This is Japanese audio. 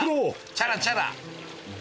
チャラチャラ！